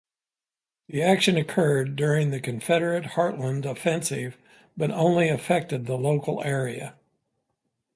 The action occurred during the Confederate Heartland Offensive but only affected the local area.